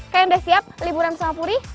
kalian udah siap liburan bersama puri